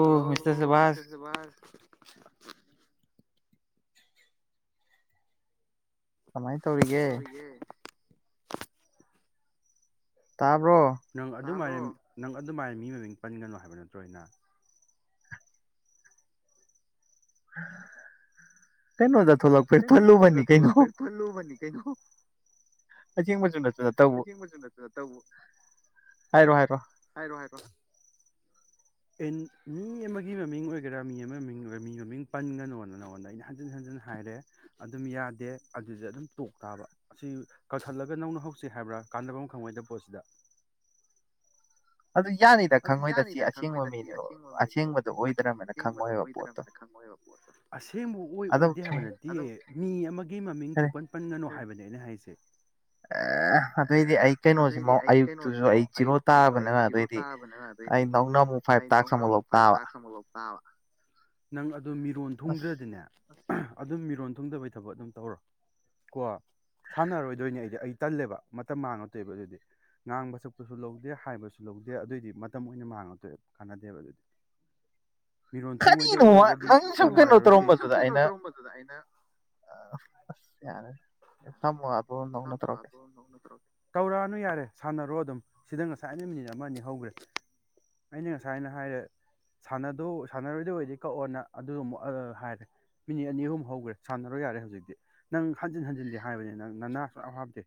hello mister ꯁꯦꯕꯔ [unintelligible] ꯀꯃꯥꯏꯅ ꯇꯧꯔꯤꯒꯦ ꯇꯥꯕ꯭ꯔꯣ ꯑꯗꯨꯃꯥꯏꯅ ꯅꯪ ꯑꯗꯨꯃꯥꯏꯅ ꯃꯤ ꯃꯃꯤꯡ ꯄꯟꯒꯅꯨ ꯍꯥꯏꯕ ꯅꯠꯇ꯭ꯔꯣꯅ ꯀꯩꯅꯩꯅꯣꯗ ꯇꯩꯅꯣꯖ ꯊꯣꯂ ꯄꯔ ꯊꯣꯏꯂꯣ ꯃꯅꯤ ꯀꯩꯅꯣ ꯑꯆꯤꯡ ꯃꯆꯅ ꯐꯖ ꯇꯧꯕ ꯍꯥꯏꯔꯣ ꯍꯥꯏꯔꯣ ꯍꯥꯏꯔꯣ ꯍꯥꯏꯔ ꯑꯦ ꯃꯤ ꯑꯃꯒꯤ ꯃꯃꯤꯡ ꯑꯣꯏꯒꯦꯔꯥ ꯃꯤ ꯑꯃꯒꯤ ꯃꯃꯤꯡ ꯑꯣꯏꯒꯦꯔꯥ ꯃꯤ ꯃꯃꯤꯡ ꯄꯟꯒꯅꯣꯅ ꯅꯉꯣꯟꯗ ꯑꯩꯅ ꯍꯟꯖꯤꯟ ꯍꯟꯖꯤꯟ ꯍꯥꯏꯔꯦ ꯑꯗꯨꯝ ꯌꯥꯗꯦ ꯑꯗꯨꯁ ꯑꯗꯨꯝ ꯇꯣꯛ ꯇꯥꯕ ꯑꯁꯤ ꯀꯛꯊꯠꯂꯒ ꯅꯧꯅ ꯍꯧꯁꯤ ꯍꯥꯏꯕ꯭ꯔꯥ ꯀꯥꯟꯅꯕ ꯑꯃ ꯈꯪꯉꯣꯏꯗꯕ ꯄꯣꯠꯁꯤꯗ ꯑꯗꯨ ꯌꯥꯅꯤꯗ ꯈꯪꯉꯣꯏꯗ ꯁꯤ ꯑꯁꯦꯡꯕ ꯃꯤꯅꯦ ꯑꯁꯦꯡꯕꯗꯣ ꯑꯣꯏꯗ꯭ꯔꯕꯅ ꯈꯪꯉꯣꯏꯕ ꯄꯣ ꯑꯁꯦꯡꯕ ꯑꯣꯏ ꯑꯣꯏꯗꯦ ꯍꯥꯏꯕꯅꯗꯤ ꯃꯤ ꯑꯃꯒꯤ ꯃꯃꯤꯡ ꯁꯨꯄꯟ ꯄꯟꯒꯅꯨ ꯍꯥꯏꯕꯅꯤ ꯑꯩꯅ ꯍꯥꯏꯁꯦ ꯑꯦ ꯑꯗꯨꯑꯣꯏꯗꯤ ꯑꯩ ꯀꯩꯅꯣꯁꯤꯃ ꯑꯌꯨꯛꯇꯨꯁꯨ ꯑꯩ ꯖꯤꯔꯧ ꯇꯥꯕꯅꯤꯅ ꯑꯗꯨꯑꯣꯏꯗꯤ ꯑꯗꯨꯑꯣꯏꯗꯤ ꯑꯩ ꯅꯅ ꯑꯃꯨꯛ ꯐ ꯇꯁ ꯑꯃꯂ ꯇꯥꯕ ꯅꯪ ꯑꯗꯨ ꯃꯤꯔꯣꯟ ꯊꯨꯡꯈ꯭ꯔꯗꯤꯅꯦ ꯑꯗꯨꯝ ꯃꯤꯔꯣꯟ ꯊꯨꯡꯗꯕꯩ ꯊꯕꯛ ꯑꯗꯨꯝ ꯇꯧꯔꯣ ꯀꯣ ꯁꯥꯟꯅꯔꯣꯏꯗꯣꯏꯅꯤ ꯑꯩꯗꯤ ꯑꯩ ꯇꯜꯂꯦꯕ ꯃꯇꯝ ꯃꯥꯡꯉꯛꯇꯣꯏꯕ ꯑꯗꯨꯗꯤ ꯉꯥꯡꯕ ꯁꯛꯄꯁꯨ ꯂꯧꯗꯦ ꯍꯥꯏꯕꯁꯨ ꯂꯧꯗꯦ ꯑꯗꯨꯑꯣꯏꯗꯤ ꯃꯇꯝ ꯑꯣꯏꯅ ꯃꯥꯡꯉꯛꯇꯣꯏꯕ ꯀꯥꯟꯅꯗꯦꯕ ꯑꯗꯨꯏꯗꯤ ꯃꯤꯔꯣꯟ ꯊꯨꯡꯉꯣꯏꯗ ꯑꯣꯏꯔꯒꯗꯤ ꯉꯥꯏꯔꯔꯁꯤ ꯁꯨꯝ ꯀꯩꯅꯣ ꯇꯧꯔꯝꯕꯗꯨꯗ ꯑꯩꯅ ꯊꯝꯃ ꯇꯧꯔꯛꯑꯅꯨ ꯌꯥꯔꯦ ꯁꯥꯟꯅꯔꯣ ꯑꯗꯨꯝ ꯁꯤꯗ ꯉꯁꯥꯏ ꯑꯩꯅ ꯃꯤꯅꯤꯠ ꯑꯃ ꯑꯅꯤ ꯍꯧꯈ꯭ꯔꯦ ꯑꯩꯅ ꯉꯁꯥꯏ ꯑꯅ ꯍꯥꯏꯔꯦ ꯁꯥꯟꯅꯗꯣ ꯁꯥꯟꯅꯔꯣꯏꯗ ꯑꯣꯏꯔꯗꯤ ꯀꯛꯑꯣꯅ ꯑꯗꯨꯗ ꯑꯃꯨꯛ ꯍꯥꯏꯔꯦ ꯃꯤꯅꯤꯠ ꯑꯅꯤ ꯑꯍꯨꯝ ꯍꯧꯈ꯭ꯔꯦ ꯁꯥꯟꯅꯔꯣꯏ ꯌꯥꯔꯦ ꯍꯧꯖꯤꯛꯇꯤ ꯅꯪ ꯍꯟꯖꯤꯟ ꯍꯟꯖꯤꯟꯗꯤ ꯍꯥꯏꯕꯅꯤ ꯅꯪ ꯅꯅꯥ ꯑꯚꯕ ꯗꯦ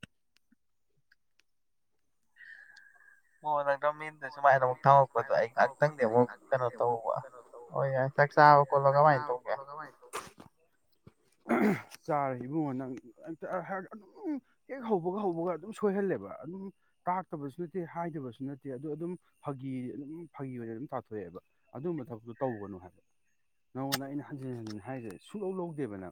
ꯍ ꯃꯤꯟꯗ ꯁꯨꯃꯥꯏꯅ ꯑꯃꯨꯛ ꯊꯝꯃꯛꯄꯗꯣ ꯑꯩ ꯉꯥꯛꯛꯇꯪꯗꯤ ꯑꯃꯨꯛ ꯀꯩꯅꯣ ꯇꯧꯕ ꯍꯣꯏ ꯌꯥꯏ ꯆꯥꯛ ꯆꯥꯕ ꯈꯣꯠꯂ ꯀꯃꯥꯏꯅ ꯇꯧꯒꯦ ꯆꯥꯔ ꯏꯕꯨꯡꯉꯣꯅ ꯑꯗꯨꯝ ꯍꯦꯛ ꯍꯧꯕꯒ ꯍꯧꯕꯒ ꯑꯗꯨꯝ ꯁꯣꯏꯍꯜꯂꯦꯕ ꯑꯗꯨꯝ ꯇꯥꯛꯇꯕꯁꯨ ꯅꯠꯇꯦ ꯍꯥꯏꯗꯕꯁꯨ ꯅꯠꯇꯦ ꯑꯗꯨꯗꯣ ꯑꯗꯨꯝ ꯐꯥꯒꯤ ꯑꯗꯨꯝ ꯐꯥꯒꯤ ꯑꯣꯏꯅ ꯑꯗꯨꯝ ꯇꯥꯊꯣꯛꯑꯦꯕ ꯑꯗꯨꯝꯕ ꯊꯕꯛꯇꯨ ꯇꯧꯒꯅꯨ ꯍꯥꯏꯕ ꯅꯪꯉꯣꯟꯗ ꯑꯩꯅ ꯍꯟꯖꯤꯟ ꯍꯟꯖꯤꯟ ꯍꯥꯏꯔꯤꯁꯦ ꯁꯨꯛꯂꯧ ꯂꯧꯗꯦꯕꯅ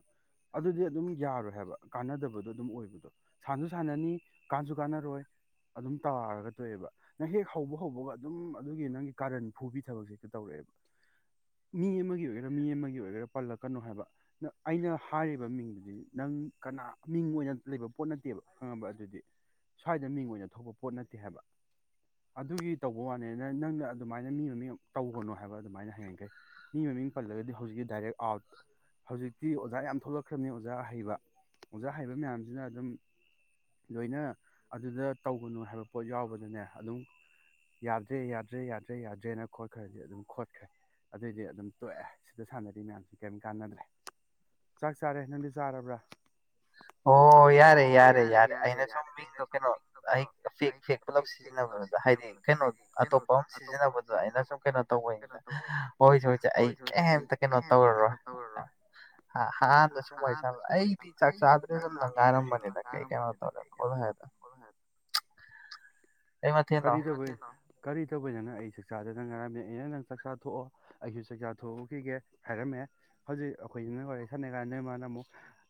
ꯑꯗꯨꯗꯤ ꯑꯗꯨꯝ ꯌꯥꯔꯣꯏ ꯍꯥꯏꯕ ꯀꯥꯟꯅꯗꯕꯗꯣ ꯑꯗꯨꯝ ꯑꯣꯏꯕꯗꯣ ꯁꯥꯟꯁꯨ ꯁꯥꯟꯅꯅꯤ ꯀꯥꯟꯁꯨ ꯀꯥꯟꯅꯔꯣꯏ ꯑꯗꯨꯝ ꯇꯥꯔꯒ ꯊꯣꯛꯑꯦꯕ ꯅꯪ ꯍꯦꯛ ꯍꯧꯕ ꯊꯧꯕꯒ ꯑꯗꯨꯝ ꯑꯗꯨꯒꯤ ꯅꯪꯒꯤ ꯀꯥꯔꯟ ꯐꯨꯕꯤ ꯊꯕꯛꯁꯤꯦ ꯇꯧꯔꯛꯑꯦꯕ ꯃꯤ ꯑꯃꯒꯤ ꯑꯣꯏꯒꯦꯔꯥ ꯃꯤ ꯑꯃꯒꯤ ꯑꯣꯏꯒꯦꯔꯥ ꯄꯜꯂꯛꯀꯅꯨ ꯍꯥꯏꯕ ꯑꯩꯅ ꯍꯥꯏꯔꯤꯕ ꯃꯤꯡꯗꯨꯗꯤ ꯅꯪ ꯀꯅꯥ ꯃꯤꯡ ꯑꯣꯏꯅ ꯂꯩꯕ ꯄꯣꯠ ꯅꯠꯇꯦꯕ ꯈꯪꯉꯕ ꯑꯗꯨꯗꯤ ꯁ꯭ꯋꯥꯏꯗ ꯃꯤꯡ ꯑꯣꯏꯅ ꯊꯣꯛꯄ ꯄꯣꯠ ꯅꯠꯇꯦ ꯍꯥꯏꯕ ꯑꯗꯨꯒꯤ ꯇꯧꯕ ꯋꯥꯅꯤꯅ ꯅꯪꯅ ꯑꯗꯨꯃꯥꯏꯅ ꯃꯤ ꯃꯃꯤꯡ ꯇꯧꯒꯅꯨ ꯍꯥꯏꯕ ꯑꯗꯨꯃꯥꯏꯅ ꯍꯌꯦꯡꯈꯩ ꯃꯤ ꯃꯃꯤꯡ ꯄꯜꯂꯒꯗꯤ ꯍꯧꯖꯤꯛꯀꯤ ꯗꯥꯏꯔꯦꯛ ꯑꯥꯎꯠ ꯍꯧꯖꯤꯛꯇꯤ ꯑꯣꯖꯥ ꯌꯥꯝ ꯊꯣꯛꯂꯛꯈ꯭ꯔꯕꯅꯤ ꯑꯣꯖꯥ ꯍꯩꯕ ꯑꯣꯖꯥ ꯍꯩꯕ ꯃꯌꯥꯝꯁꯤꯅ ꯑꯗꯨꯝ ꯂꯣꯏꯅ ꯑꯗꯨꯗ ꯇꯧꯒꯅꯨ ꯍꯥꯏꯕ ꯄꯣꯠ ꯌꯥꯎꯕꯗꯅꯦ ꯑꯗꯨꯝ ꯌꯥꯗ꯭ꯔꯦ ꯌꯥꯗ꯭ꯔꯦ ꯌꯥꯗ꯭ꯔꯦ ꯌꯥꯗ꯭ꯔꯦꯅ ꯈꯣꯠꯈ꯭ꯔꯗꯤ ꯑꯗꯨꯝ ꯈꯣꯠꯈ꯭ꯔꯦ ꯑꯗꯨꯑꯣꯏꯗꯤ ꯑꯗꯨꯝ ꯇꯣꯛꯑꯦ ꯁꯤꯗ ꯁꯥꯟꯅꯔꯤ ꯃꯌꯥꯝꯁ ꯀꯔꯤꯝ ꯀꯥꯟꯅꯗ꯭ꯔꯦ ꯆꯥꯛ ꯆꯥꯔꯦ ꯅꯪꯗꯤ ꯆꯥꯔꯕ꯭ꯔꯥ ꯑꯣ ꯌꯥꯔꯦ ꯌꯥꯔꯦ ꯌꯥꯔꯦ ꯑꯩꯅ ꯁꯨꯝ ꯃꯤꯡꯗꯣ ꯀꯩꯅꯣ ꯑꯩ ꯐꯦꯛ ꯐꯦꯛ ꯄꯨꯂꯞ ꯁꯤꯖꯤꯟꯅꯕꯗ ꯍꯥꯏꯗꯤ ꯀꯩꯅꯣ ꯑꯇꯣꯞꯄ ꯑꯃ ꯁꯤꯖꯤꯟꯅꯕꯗꯣ ꯑꯩꯅ ꯁꯨꯝ ꯀꯩꯅꯣ ꯇꯧꯕꯩꯅꯤꯗ ꯋꯥꯣꯏ ꯁꯁꯦ ꯑꯩ ꯀꯩꯝꯇ ꯀꯩꯅꯣ ꯇꯧꯔꯔꯣꯏ ꯍꯥꯟꯅ ꯁꯨꯝ ꯋꯥꯔꯤ ꯁꯥ ꯑꯩꯗꯤ ꯆꯥꯛꯗꯔꯤ ꯅꯪ ꯑꯔꯝ ꯃꯅꯤꯗ ꯀꯩꯀ ꯇ ꯈꯣꯂ ꯍꯥꯏꯃ ꯀꯔꯤ ꯇꯧꯕꯩ ꯀꯔꯤ ꯇꯧꯕꯩꯗꯅ ꯑꯩ ꯆꯥꯛꯆꯥꯗ ꯅꯪ ꯍꯥꯏꯔꯝꯃꯦ ꯑꯩꯅ ꯅꯪ ꯆꯥꯛꯆꯥ ꯊꯣꯛꯑꯣ ꯑꯩꯁꯨ ꯆꯥꯛꯆꯥ ꯊꯣꯛꯈꯤꯒꯦ ꯍꯥꯏꯔꯝꯃꯦ ꯍꯧꯖꯤꯛ ꯑꯩꯈꯣꯏꯁꯤ ꯅ ꯋꯥꯔꯤ ꯁꯥꯟꯅꯩ ꯀꯥꯟꯗꯃꯗ ꯑꯃꯨꯛ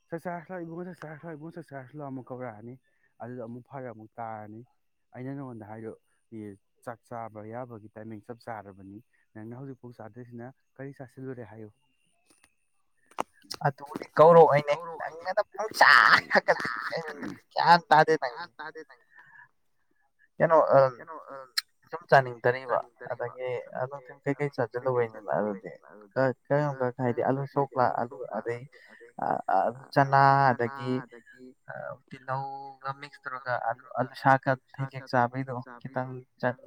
ꯆꯥꯛ ꯆꯆꯥꯥꯛꯛꯏꯕꯨꯡꯉꯣ ꯆꯥꯛ ꯆꯥꯔ ꯁꯂꯥꯛꯏꯕꯨꯡꯣ ꯆꯥꯛ ꯆꯆꯥꯔꯂꯥꯛ ꯑꯃꯨꯛ ꯀꯧꯔꯛꯑꯅꯤ ꯑꯗꯨꯗ ꯑꯃꯨꯛ ꯐꯔꯒ ꯑꯃꯨꯛ ꯇꯥꯔꯅꯤ ꯑꯩꯅ ꯅꯪꯉꯣꯟꯗ ꯍꯥꯏꯗ ꯆꯥꯛ ꯆꯥꯕ ꯌꯥꯕꯒꯤ ꯇꯥꯏꯃꯤꯡ ꯆꯞ ꯆꯥꯔꯕꯅꯤ ꯅꯪꯅ ꯍꯧꯖꯤꯛꯐꯥꯎ ꯆꯥꯗ꯭ꯣꯏꯁꯤꯅ ꯀꯔꯤ ꯆꯥꯁꯤꯜꯂꯨꯔꯦ ꯍꯥꯏꯌꯨ ꯑꯗꯨꯗꯤ ꯀꯧꯔꯛꯑꯣꯏꯅꯦ ꯅꯪꯒꯅ ꯄꯨꯡ ꯆꯥ ꯍꯥꯀꯠꯂꯤ ꯑꯩ ꯀ꯭ꯌꯥ ꯇꯥꯗꯦ ꯅꯪꯁꯦ ꯀꯩꯅꯣ ꯁꯨꯝ ꯆꯥꯅꯤꯡꯗꯔꯤꯕ ꯑꯗꯒꯤ ꯑ ꯁꯨꯝ ꯀꯩꯀꯩ ꯆꯥꯁꯤꯜꯂꯨꯕꯅꯤꯅ ꯑꯗꯨꯗꯤ ꯀꯔꯤꯒ ꯍꯥꯏꯗꯤ ꯑꯂꯨ ꯁꯣꯛꯂ ꯑꯂꯨ ꯑꯗꯩ ꯑ ꯆꯅꯥ ꯑꯗꯒꯤ ꯇꯤꯜꯍꯧꯒ ꯃꯤꯛꯁ ꯇꯧꯔꯒ ꯑꯥꯂꯨꯁꯀ ꯦꯛ ꯆꯥꯕꯤꯗꯣ ꯈꯤꯇꯪ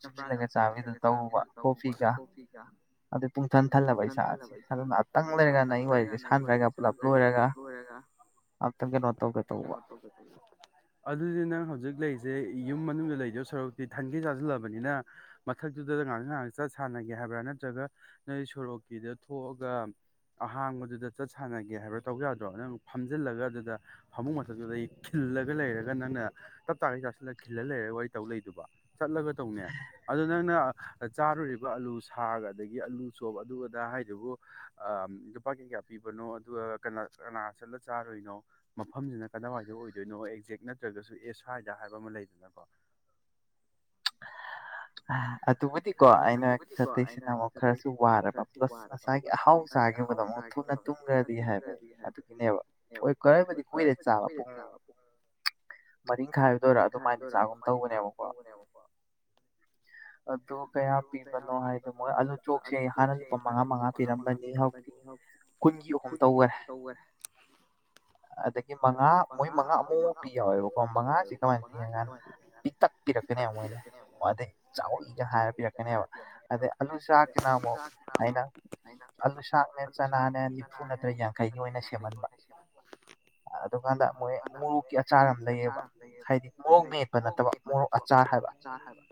ꯆꯝꯄ꯭ꯔꯥꯒ ꯁꯜꯂꯒ ꯆꯥꯕꯤꯗꯨ ꯇꯧꯕ ꯀꯣꯐꯤꯒ ꯑꯗꯨ ꯄꯨꯡꯁꯟ ꯊꯜꯂꯕ ꯏꯆꯥ ꯑꯗꯨ ꯉꯥꯏꯍꯥꯛꯇꯪ ꯂꯩꯔꯒ ꯅꯪ ꯑꯩ ꯋꯥꯔꯤꯁꯦ ꯁꯥꯟꯅꯔꯒ ꯄꯨꯂꯞ ꯂꯣꯏꯔꯒ ꯉꯥꯛꯇ ꯑꯗꯨ ꯍꯧꯖꯤꯛ ꯂꯩꯔꯤꯁꯦ ꯌꯨꯝ ꯃꯅꯨꯡꯗ ꯂꯩꯗꯣ ꯁꯣꯔꯣꯛꯇꯤ ꯊꯟꯒꯤ ꯆꯥꯁꯤꯜꯂꯕꯅꯤꯅ ꯃꯊꯛꯇꯨꯗ ꯉꯥꯏꯍꯥꯛ ꯉꯥꯏꯍꯥꯛ ꯆꯠ ꯁꯥꯟꯅꯒꯦ ꯍꯥꯏꯕ꯭ꯔꯥ ꯅꯠꯇ꯭ꯔꯒ ꯅꯣꯏ ꯁꯣꯔꯣꯛꯀꯤꯗ ꯊꯣꯛꯑꯒ ꯑꯍꯥꯡꯕꯗꯨꯗ ꯆꯠ ꯁꯥꯟꯅꯒꯦ ꯍꯥꯏꯕ꯭ꯔꯥ ꯇꯧ ꯌꯥꯗ꯭ꯔꯣ ꯅꯪ ꯐꯝꯖꯤꯜꯂꯒ ꯑꯗꯨꯗ ꯐꯃꯨꯡ ꯃꯊꯛꯇꯨꯗ ꯈꯤꯜꯂꯒ ꯂꯩꯔꯒ ꯅꯪꯅ ꯇꯞ ꯇꯥꯩ ꯆꯥꯁꯤꯜꯂ ꯈꯤꯜꯂ ꯂꯩꯔꯒ ꯋꯥꯔꯤ ꯇꯧ ꯂꯩꯗꯕ ꯆꯠꯂꯒ ꯇꯧꯅꯦ ꯑꯗꯨ ꯅꯪꯅ ꯆꯥꯔꯨꯔꯤꯕ ꯑꯂꯨ ꯁꯥꯒ ꯑꯗꯒꯤ ꯑꯥꯂꯨ ꯆꯣꯞ ꯑꯗꯨ ꯑꯗꯥ ꯍꯥꯏꯗꯨꯕꯨ ꯑ ꯂꯨꯄꯥ ꯀꯌꯥ ꯀꯌꯥ ꯄꯤꯕꯅꯣ ꯑꯗꯨꯒ ꯀꯅꯥ ꯀꯅꯥ ꯆꯠꯂ ꯆꯥꯔꯨꯏꯅꯣ ꯃꯐꯝꯁꯤꯅ ꯀꯗꯥꯋꯥꯏꯗ ꯑꯣꯏꯗꯣꯏꯅꯣ ꯑꯦꯛꯖꯦꯛ ꯅꯠꯇ꯭ꯔꯒꯁꯨ ꯑꯦ ꯁ꯭ꯋꯥꯏꯗ ꯍꯥꯏꯕ ꯑꯃ ꯂꯩꯗꯅꯀꯣ ꯑꯥ [unintelligible] ꯑꯗꯨꯕꯨꯗꯤꯀꯣ ꯑꯩꯅ ꯆꯥꯇꯩꯁꯤꯅ ꯑꯃꯨꯛ ꯈꯔꯁꯨ ꯋꯥꯔꯕ ꯄ꯭ꯂꯁ ꯉꯁꯥꯏꯒꯤ ꯑꯍꯥꯎ ꯆꯥꯈꯤꯕꯗꯣ ꯑꯃꯨꯛ ꯊꯨꯅ ꯇꯨꯝꯈ꯭ꯔꯗꯤ ꯍꯥꯏꯕ ꯑꯩ ꯑꯗꯨꯒꯤꯅꯦꯕ ꯀꯔꯏꯕꯨꯗꯤ ꯀꯨꯏꯔꯦ ꯆꯥꯕ ꯄꯨꯡ ꯃꯔꯤꯈꯥꯏꯕꯗ ꯑꯣꯏꯔꯣ ꯑꯗꯨꯃꯥꯏꯅ ꯆꯥꯒꯨꯝ ꯇꯧꯕꯅꯦꯕꯀꯣ ꯑꯗꯨ ꯀꯌꯥ ꯄꯤꯕꯅꯣ ꯍꯥꯏꯗꯣ ꯃꯣꯏ ꯑꯥꯂꯨ ꯆꯣꯛꯁꯦ ꯍꯥꯟꯅ ꯂꯨꯄꯥ ꯃꯉꯥ ꯃꯉꯥ ꯄꯤꯔꯝꯕꯅꯤ ꯍꯧꯛꯇꯤ ꯀꯨꯟꯒꯤ ꯑꯍꯨꯝ ꯇꯧꯈꯔꯦ ꯑꯗꯒꯤ ꯃꯉꯥ ꯃꯣꯏ ꯃꯉꯥ ꯑꯃꯨꯛ ꯄꯤ ꯌꯥꯧꯋꯦꯕꯀꯣ ꯃꯉꯥꯁꯦ ꯀꯃꯥꯏꯅ ꯄꯤꯉꯀꯥꯟꯗ ꯄꯤꯛꯇꯛꯄꯤꯤꯔꯛꯀꯅꯦꯕ ꯃꯣꯏꯅꯦꯗꯩ ꯆꯥꯎꯢ ꯒ ꯍꯥꯏꯔꯗꯤ ꯑꯕ ꯑꯗꯩ ꯑ ꯆꯥꯛꯁꯤꯅ ꯑꯃꯨꯛ ꯑꯩꯅ ꯑꯗꯨꯨꯁꯥꯛꯅꯦ ꯆꯅꯥꯅꯦ ꯅꯤꯐꯨ ꯍꯗ꯭ꯔ ꯌꯥꯡꯈꯩꯒꯤ ꯑꯣꯏꯅ ꯁꯦꯂꯛꯄ ꯑꯗꯨꯀꯥꯟꯗ ꯃꯣꯏ ꯃꯣꯔꯣꯛꯀꯤ ꯑꯆꯥꯔ ꯑꯃ ꯂꯩꯌꯦꯕ ꯍꯥꯏꯗꯤ ꯃꯣꯔꯣꯛ ꯃꯦꯦꯛꯄ ꯅꯠꯇꯕ ꯃꯣꯔꯣꯛ ꯑꯆꯥꯔ ꯍꯥꯏꯕ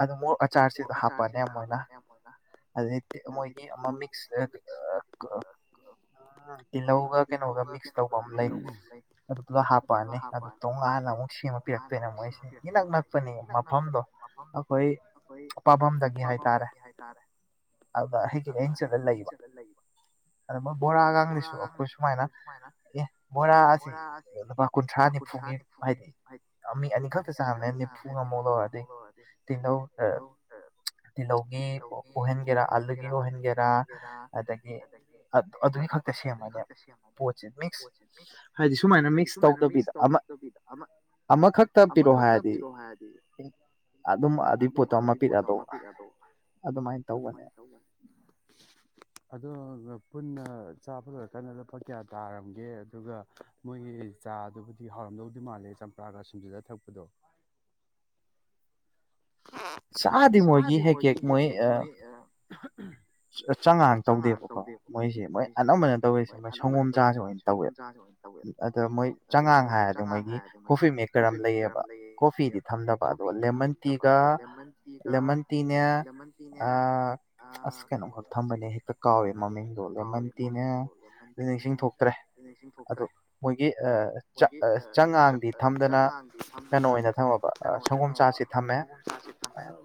ꯑꯗꯨ ꯃꯣꯔ ꯑꯆꯥꯔꯁꯤꯗ ꯍꯥꯞꯄꯛꯑꯅꯤ ꯃꯣꯏꯅ ꯑꯗꯨꯗꯩ ꯃꯣꯏꯒꯤ ꯑꯃ ꯃꯤꯛꯁ ꯇꯤꯜꯍꯧꯒ ꯀꯩꯅꯣꯒ ꯃꯤꯛꯁ ꯇꯧꯕ ꯑꯃ ꯂꯩ ꯑꯗꯨꯗꯨꯒ ꯍꯥꯞꯄꯛꯑꯅꯤ ꯑꯗꯨ ꯇꯣꯉꯥꯟꯅ ꯑꯃꯨꯛ ꯁꯦꯝꯃ ꯄꯤꯔꯛꯇꯣꯏꯅ ꯃꯣꯏꯁꯦ ꯏꯅꯛ ꯅꯛꯄꯅꯤ [unintelligible] ꯑꯩꯈꯣꯏ ꯄꯥꯥꯚꯝꯗꯒꯤ ꯍꯥꯏꯇꯥꯔꯦ ꯑꯗꯨꯗ ꯑꯩꯒꯤ ꯑꯩꯅ ꯆꯠꯂ ꯂꯩꯕ ꯑꯗ ꯃꯣꯏ ꯕꯣꯔꯥꯒꯡꯗꯁꯨ ꯑꯩꯈꯣꯏ ꯁꯨꯃꯥꯏꯅ ꯑꯦ ꯕꯣꯔꯥ ꯑꯁꯤ ꯂꯨꯄꯥ ꯀꯨꯟꯊ꯭ꯔꯥ ꯅꯤꯐꯨꯒꯤ ꯍꯥꯏꯗꯤ ꯃꯤ ꯑꯅꯤ ꯈꯛꯇ ꯆꯥ ꯅꯤꯐꯨꯒꯃꯨꯛ ꯑ ꯇꯤꯜꯍꯧ ꯇꯤꯜꯍꯧꯒꯤ ꯑꯣꯏꯍꯟꯒꯦꯔꯥ ꯑꯂꯨꯒꯤ ꯑꯣꯏꯍꯟꯒꯦꯔꯥ ꯑꯗꯒꯤ ꯑꯗꯨꯒꯤ ꯈꯛꯇ ꯁꯦꯝꯃꯅꯦꯕ ꯄꯣꯠꯁꯦ ꯃꯤꯛꯁ ꯍꯥꯏꯗꯤ ꯁꯨꯃꯥꯏꯅ ꯃꯤꯛꯁ ꯇꯧꯗꯕꯤꯗ ꯑꯃ ꯑꯃꯈꯛꯇ ꯄꯤꯔꯛꯑꯣ ꯍꯥꯏꯔꯗꯤ ꯑꯗꯨꯝ ꯑꯗꯨꯏ ꯄꯣꯠꯇ ꯑꯃ ꯄꯤꯔꯛꯑꯗꯣ ꯑꯗꯨꯃꯥꯏꯅ ꯇꯧꯕꯅꯦ ꯑꯗꯣ ꯄꯨꯟꯅ ꯆꯥꯕ ꯂꯣꯢꯔꯀꯥꯟꯗ ꯂꯨꯄꯥ ꯀꯌꯥ ꯇꯥꯔꯝꯒꯦ ꯑꯗꯨꯒ ꯃꯣꯏꯒꯤ ꯆꯥꯗꯨꯕꯨꯗꯤ ꯍꯥꯎꯔꯝꯗꯧꯗꯤ ꯃꯥꯜꯂꯦ ꯆꯝꯄ꯭ꯔꯥꯒ ꯁꯨꯝꯖꯂ ꯊꯛꯄꯗꯣ ꯆꯥꯗꯤ ꯃꯣꯏꯒꯤ ꯍꯦꯛ ꯍꯦꯛ ꯃꯣꯏ ꯆꯉꯥꯡ ꯇꯧꯗꯦꯕꯀꯣ ꯃꯣꯏꯁꯦ ꯃꯣꯏ ꯑꯅꯝꯕꯅ ꯇꯧꯋꯦꯁꯦ ꯃꯣꯏ ꯁꯪꯒꯣꯝ ꯆꯥꯁꯦ ꯑꯣꯏꯅ ꯇꯧꯋꯦ ꯑꯗ ꯃꯣꯏ ꯆꯉꯥꯡ ꯍꯥꯏꯔꯗꯤ ꯃꯣꯏꯒꯤ ꯀꯣꯐꯤ ꯃꯦꯀꯔ ꯑꯃ ꯂꯩꯌꯦꯕ ꯀꯣꯐꯤꯗꯤ ꯊꯝꯗꯕ ꯑꯗꯣ ꯂꯦꯃꯟ ꯇꯤ ꯂꯦꯃꯟ ꯇꯤꯒ ꯂꯦꯃꯟ ꯇꯤꯅꯦ ꯑꯁ ꯀꯩꯅꯣꯝꯈꯛ ꯊꯝꯕꯅꯦ ꯍꯦꯛꯇ ꯀꯥꯎꯋꯦ ꯃꯃꯤꯡꯗꯣ ꯂꯦꯃꯟꯇꯤꯅꯦ ꯑꯗꯨ ꯅꯤꯡꯁꯤꯡꯊ ꯊꯣꯛꯇ꯭ꯔꯦ ꯑꯗꯣ ꯃꯣꯏꯒꯤ ꯆꯥꯉꯥꯡꯗꯤ ꯊꯝꯗꯅ ꯀꯩꯅꯣ ꯑꯣꯏꯅ ꯊꯝꯃꯕ ꯁꯪꯒꯣꯝ ꯆꯥꯁꯦ ꯊꯝꯃꯦ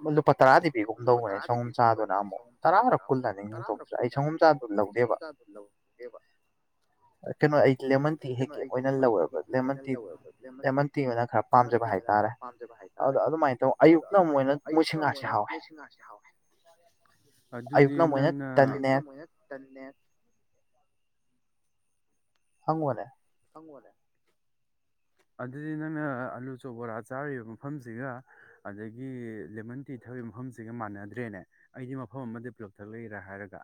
ꯂꯨꯄꯥ ꯇꯔꯥ ꯗꯤ ꯄꯤꯒꯨꯝꯇꯧꯕꯅꯦ ꯁꯪꯍꯒꯣꯝ ꯆꯥꯗꯨꯅ ꯑꯃꯨꯛ ꯇꯔꯥꯔꯛ ꯀꯨꯜꯂꯅꯤꯡ ꯅꯤꯡꯊꯧꯇ꯭ꯔꯥ ꯑꯩ ꯁꯪꯒꯣꯝꯆꯥꯥꯗꯨ ꯂꯧꯗꯦꯕ ꯀꯩꯅꯣ ꯑꯩ ꯂꯦꯃꯟ ꯇꯤ ꯍꯦꯛ ꯍꯦꯛ ꯑꯣꯏꯅ ꯂꯧꯋꯦꯕ ꯂꯦꯃꯟ ꯇꯤ ꯂꯦꯃꯟ ꯇꯤ ꯑꯣꯏꯅ ꯈꯔ ꯄꯥꯝꯖꯕ ꯍꯥꯏꯇꯥꯔꯦ ꯑꯗꯣ ꯑꯗꯨꯃꯥꯏꯅ ꯇꯧ ꯑꯗꯨꯗ ꯑꯗꯨꯃꯥꯏꯅ ꯇꯧ ꯑꯌꯨꯛꯇ ꯑꯃꯨꯛꯣꯏꯅ ꯃꯣꯏꯁꯤꯡ ꯉꯥꯁꯦ ꯍꯥꯎꯋꯦ ꯑꯗꯨꯗꯤ ꯅꯪꯅ ꯇꯟꯅꯦ ꯍꯪꯉꯣꯅꯦ ꯑꯗꯨꯗꯤ ꯅꯪꯅ ꯑꯥꯂꯨ ꯆ ꯕꯣꯔꯥ ꯆꯥꯔꯤꯕ ꯃꯐꯝꯁꯤꯒ ꯑꯗꯒꯤ ꯂꯦꯃꯟ ꯇꯤ ꯊꯧꯕ ꯃꯐꯝꯁꯤꯒ ꯃꯥꯟꯅꯗ꯭ꯔꯦꯅꯦ ꯑꯩꯗꯤ ꯃꯐꯝ ꯑꯃꯗꯤꯗ ꯄꯨꯂꯞ ꯊꯛ ꯂꯩꯛꯏꯔꯥ ꯍꯥꯏꯔꯒ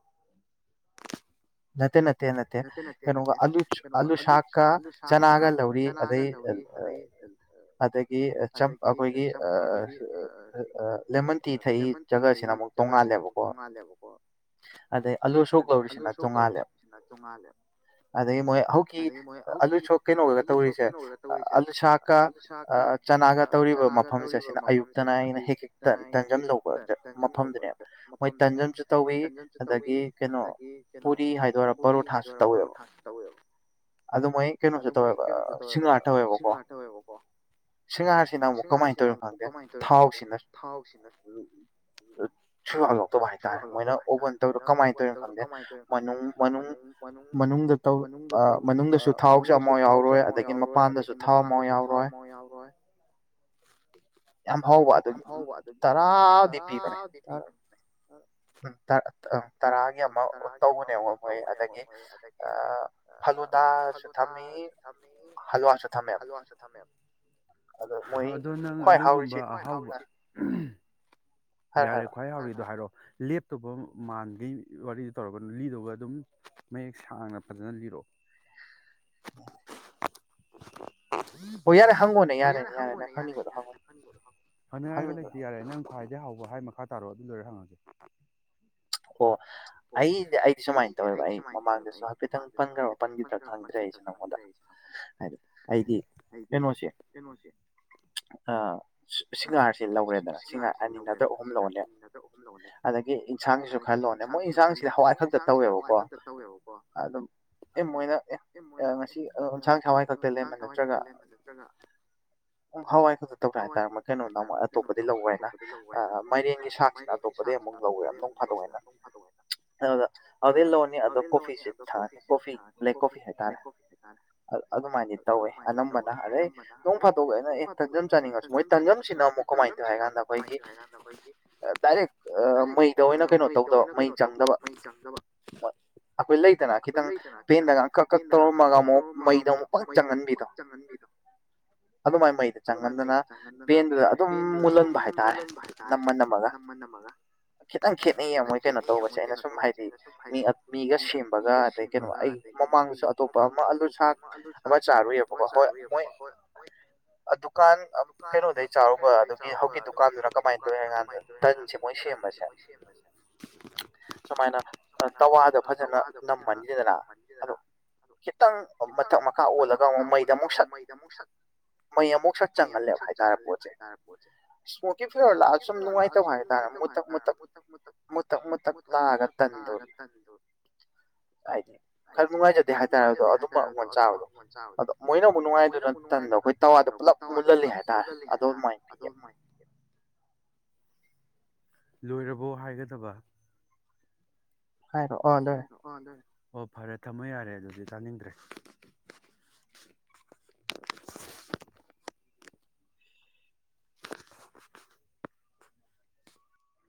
ꯅꯠꯇꯦ ꯅꯠꯇꯦ ꯅꯠꯇꯦ ꯀꯩꯅꯣꯒ ꯑꯨ ꯑꯥꯂꯨꯁꯥꯛꯀ ꯆꯅꯥꯒ ꯂꯧꯔꯤ ꯑꯗꯩ ꯑꯗꯒꯤꯝ ꯑꯩꯈꯣꯏꯒꯤ ꯂꯦꯃꯟ ꯇꯤ ꯊꯛꯏ ꯖꯒꯥꯁꯤꯅ ꯑꯃꯨꯛ ꯇꯣꯡꯉꯥꯜꯂꯦꯕꯀꯣ ꯑꯗꯩ ꯑꯂꯨ ꯁꯣꯛ ꯂꯧꯔꯤꯁꯤꯅꯦ ꯃꯥꯜꯂꯦ ꯑꯗꯒꯤ ꯃꯣꯏ ꯍꯧꯖꯤꯛꯀꯤ ꯑꯥꯂꯨꯁꯣꯛ ꯀꯩꯅꯣꯒꯒ ꯇꯧꯔꯤꯁꯦ ꯑꯥꯜꯂꯨꯁꯥꯛꯀ ꯆꯅꯥꯒ ꯇꯧꯔꯤꯕ ꯃꯐꯝꯁꯦ ꯁꯤꯅ ꯑꯌꯨꯛꯇꯅ ꯑꯩꯅ ꯍꯦꯛ ꯍꯦꯛ ꯇꯟꯖꯝ ꯂꯧꯕ ꯃꯐꯝꯗꯨꯅꯦ ꯃꯣꯏ ꯇꯟꯖꯝꯁꯨ ꯇꯧꯏꯤ ꯑꯗꯒꯤ ꯀꯩꯅꯣ ꯄꯨꯔꯤ ꯍꯥꯏꯗ꯭ꯔ ꯄꯔꯣꯊꯥꯁꯨ ꯇꯧꯋꯦꯕ ꯑꯗꯨ ꯃꯣꯏ ꯀꯩꯅꯣꯁꯨ ꯇꯧꯋꯦꯕ ꯪꯉꯥꯔ ꯇꯧꯋꯦꯕꯀꯣ ꯁꯤꯡꯉꯥꯔꯁꯤꯅ ꯑꯃꯨꯛ ꯀꯃꯥꯏꯅ ꯇꯧꯔꯤꯅꯣ ꯈꯪꯗꯦ ꯊꯥꯎꯁꯤꯅ ꯁꯨꯕꯥꯛ ꯂꯧꯇꯕ ꯍꯥꯏꯇꯥꯔꯦ ꯃꯣꯏꯅ ꯑꯣꯚꯟ ꯇꯧꯔ ꯀꯃꯥꯏꯅ ꯇꯧꯔꯤꯅꯣ ꯈꯪꯗꯦ ꯥꯏꯅ ꯐꯝꯖꯦ ꯃꯅꯨꯡ ꯃꯅꯨꯡ ꯃꯅꯨꯡꯗ ꯃꯅꯨꯡꯗꯁꯨ ꯊꯥꯎꯁꯨ ꯑꯃꯥꯎ ꯌꯥꯎꯔꯣꯏ ꯑꯗꯒꯤ ꯃꯄꯥꯟꯗꯁꯨ ꯊꯥꯎ ꯑꯃꯥꯎ ꯌꯥꯎꯔꯣꯏ ꯌꯥꯝ ꯍꯧꯕ ꯑꯗꯨꯒꯤ ꯇꯔꯥꯕꯨꯗꯤ ꯄꯤꯕꯅꯦ ꯎꯝ ꯇꯔꯥꯒꯤ ꯑꯃ ꯇꯧꯕꯅꯦ ꯑꯃꯕꯛ ꯇꯧꯕꯅꯦꯕ ꯃꯣꯏ ꯑꯗꯒꯤ ꯍꯜꯂꯨꯗꯥꯁꯨ ꯊꯝꯃꯤ ꯍꯜꯨꯋꯥꯡꯁꯨ ꯊꯝꯃꯦꯕ ꯑꯗꯣ ꯅꯪ ꯑꯗꯨꯒꯨꯝꯕ ꯑꯍꯥꯎꯕ ꯌꯥꯔꯦ ꯈ꯭ꯋꯥꯏ ꯍꯥꯥꯎ ꯑꯗꯨ ꯍꯥꯏꯔꯛꯑꯣ ꯂꯦꯞꯇꯕ ꯃꯥꯟꯒꯤ ꯋꯥꯔꯤꯗꯨ ꯇꯧꯔꯒꯅ ꯂꯤꯗꯒ ꯑꯗꯨꯝ ꯃꯌꯦꯛ ꯁꯥꯡꯅ ꯐꯖꯅ ꯂꯤꯔꯛꯑꯣ ꯑ [unintelligible] ꯍꯣꯏ ꯌꯥꯔꯦꯪꯉꯅꯦꯔꯦ ꯍꯪꯅꯤꯡꯉꯥꯏꯒ ꯂꯩꯇꯦ ꯌꯥꯔꯦ ꯅꯪ ꯈ꯭ꯋꯥꯏꯗꯒꯤꯩ ꯍꯥꯎꯕ ꯍꯥꯏ ꯃꯈꯥ ꯇꯥꯔꯣ ꯑꯗꯨ ꯂꯣꯏꯔꯦ ꯍꯪꯉꯁꯦ ꯑꯣ ꯑꯩ ꯑꯩꯗꯤ ꯁꯨꯃꯥꯏꯅ ꯇꯧꯋꯦꯕ ꯑꯩ ꯃꯃꯥꯡꯗꯁꯨ ꯍꯥꯏꯐꯦꯠꯇꯪ ꯄꯟꯈ꯭ꯔ ꯄꯟꯈꯤꯗ꯭ꯔꯥ ꯈꯪꯗ꯭ꯔꯦ ꯑꯩꯁꯦ ꯅꯪꯉꯣꯟꯗ ꯍꯥꯏꯗꯤ ꯑꯩꯗꯤ ꯀꯩꯅꯣꯁꯦ ꯁꯤꯡꯒꯥꯔꯁꯤꯦ ꯂꯧꯔꯦꯗꯅ ꯔ ꯑꯅꯤ ꯅꯗ꯭ꯔꯛ ꯑꯍꯨꯝ ꯂꯜꯂꯦ ꯑꯗꯒꯤ ꯏꯟꯁꯥꯡꯁꯤꯁꯨ ꯃꯣꯏꯟꯥꯡꯁꯤꯗꯤ ꯍꯋꯥꯏ ꯈꯛꯇ ꯇꯧ ꯁꯤ ꯍꯋꯥꯏ ꯈꯛꯇ ꯇꯧꯋꯦꯕꯀꯣ ꯑꯗꯨꯝ ꯑꯦ ꯃꯣꯏꯅ ꯑꯦ ꯉꯁꯤ ꯌꯦꯟꯁꯥꯡꯁꯦ ꯍꯋꯥꯏ ꯈꯛꯇ ꯂꯦꯝꯅ ꯅꯠꯇ꯭ꯔꯒ ꯍꯋꯥꯏ ꯈꯛꯇ ꯇꯧꯒꯦ ꯍꯥꯏꯇꯥꯔꯦ ꯀꯩꯅꯣ ꯅ ꯑꯇꯣꯞꯄꯗꯤꯩ ꯂꯧꯧꯕ ꯍꯥꯏꯅ ꯃꯥꯏꯔꯦꯟꯒꯤ ꯁꯥꯛꯁꯤꯗ ꯑꯇꯣꯞꯄꯗꯒꯤ ꯑꯃꯨꯛ ꯂꯧꯋꯦ ꯑꯃ ꯍꯥꯎꯗ ꯑꯗꯨꯗꯩ ꯂꯣꯟꯅꯤ ꯑꯗꯣ ꯀꯣꯐꯤꯁꯦ ꯊꯛꯑꯅꯤ ꯀꯣꯐꯤ ꯕ꯭ꯂꯦꯛ ꯀꯣꯐꯤ ꯍꯥꯏꯇꯥꯔꯦ ꯑꯗꯨꯃꯥꯏꯗꯤ ꯇꯧꯋꯦ ꯑꯅꯝꯕꯅ ꯑꯗꯩ ꯅꯣꯡ ꯐꯥꯗꯣꯛ ꯑꯩꯅ ꯑꯦ ꯇꯟꯖꯝ ꯆꯥꯅꯤꯡꯉꯁꯨ ꯃꯣꯏ ꯇꯟꯖꯝꯁꯤꯅ ꯑꯃꯨꯛ ꯀꯃꯥꯏꯅ ꯇꯧꯤ ꯍꯥꯏ ꯀꯥꯟꯗ ꯑꯩꯈꯣꯏꯒꯤ ꯗꯥꯏꯔꯦꯛ ꯃꯩꯗ ꯑꯣꯏꯅ ꯀꯩꯅꯣ ꯇꯣꯏ ꯀꯩꯅꯣ ꯇꯧꯗꯕ ꯃꯩ ꯆꯪꯗꯕ ꯑꯩꯈꯣꯏ ꯂꯩꯇꯅ ꯈꯤꯇꯪ ꯄꯦꯟꯗꯒ ꯀꯛ ꯀꯛ ꯇꯧꯔꯝꯃꯒ ꯑꯃꯨꯛ ꯃꯩꯗ ꯑꯃꯨꯛ ꯄꯪ ꯆꯪꯍꯟꯕꯤꯗꯣ ꯑꯗꯨꯃꯥꯏ ꯃꯩꯗ ꯆꯪꯍꯟꯗꯅ ꯄꯦꯟꯗꯨꯗ ꯑꯗꯨꯝ ꯃꯨꯜꯍꯟꯕ ꯍꯥꯏꯇꯥꯔꯦ ꯅꯝꯃ ꯅꯝꯃꯒ ꯈꯤꯇꯪ ꯈꯦ ꯃꯣꯏ ꯀꯩꯅꯣ ꯇꯧꯕꯁꯦ ꯑꯩꯅ ꯁꯨꯝ ꯍꯥꯏꯕꯗꯤ ꯑ ꯁꯨꯝ ꯍꯥꯏꯗꯤ ꯃꯤꯒ ꯁꯦꯝꯕꯒ ꯑꯗꯩ ꯀꯩꯅꯣ ꯑꯩ ꯃꯃꯥꯡꯗꯁꯨ ꯑꯇꯣꯞꯄ ꯑꯃ ꯑꯂꯨꯁꯥꯛ ꯑꯃ ꯆꯥꯔꯨꯏꯌꯦꯕꯀꯣ ꯍꯣꯏ ꯃꯣꯏ ꯗꯨꯀꯥꯟ ꯀꯩꯅꯣꯗꯩ ꯆꯥꯔꯨꯕ ꯑꯗꯨꯒꯤ ꯍꯧꯖꯤꯛꯀꯤ ꯗꯨꯀꯥꯟꯗꯨꯅ ꯀꯃꯥꯏꯅ ꯇꯧꯔꯤ ꯍꯥꯏꯀꯥꯟꯗꯁꯦ ꯃꯣꯏ ꯁꯦꯝꯕꯁꯦ ꯁꯨꯃꯥꯏꯅ ꯇꯋꯥꯗꯣ ꯐꯖꯅ ꯅꯝꯃꯅꯤꯁꯤꯗꯅ ꯑꯗꯣ ꯈꯤꯇꯪ ꯃꯊꯛ ꯃꯈꯥ ꯑꯣꯜꯂꯒ ꯑꯃꯨꯛ ꯃꯩꯗ ꯑꯃꯨꯛ ꯁꯛ ꯃꯩ ꯑꯃꯨꯛ ꯁꯛ ꯆꯪꯍꯜꯂꯦꯕ ꯍꯥꯏ ꯇꯥꯔꯦ ꯄꯣꯠꯁꯦ ꯏꯁꯃꯣꯀꯤ ꯐ꯭ꯂꯦꯔ ꯂꯥꯛꯑ ꯁꯨꯝ ꯅꯨꯡꯉꯥꯏꯇꯕ ꯍꯥꯏ ꯇꯥꯔꯦ ꯃꯨꯊꯛ ꯃꯨꯊꯛ ꯇꯥꯔꯒ ꯇꯟꯗꯣ ꯍꯥꯏꯔ ꯅꯨꯡꯉꯥꯏꯖꯗꯦ ꯍꯥꯏꯇꯥꯔꯦ ꯑꯗꯣ ꯑꯗꯨꯝꯕ ꯑꯩꯉꯣꯟ ꯆꯥꯕꯗꯣ ꯑꯗꯣ ꯃꯣꯏꯅ ꯑꯃꯨꯛ ꯅꯨꯡꯉꯥꯏꯗꯨꯅ ꯇꯟꯗꯣ ꯑꯩꯈꯣꯏ ꯇꯋꯥꯗꯣ ꯄꯨꯂꯞ ꯃꯨꯜꯁꯤꯜꯂꯤ ꯍꯥꯏꯇꯥꯔꯦ ꯑꯗꯨꯗꯣꯉꯥꯏ ꯂꯣꯏꯔꯕꯣ ꯍꯥꯏꯒꯗꯕ ꯍꯥꯏꯣ ꯑꯣꯗ ꯑꯣ ꯐꯔꯦ ꯊꯝꯃꯣ ꯌꯥꯔꯦ ꯑꯗꯨꯗꯤ ꯇꯥꯅꯤꯡꯗ꯭ꯔꯦ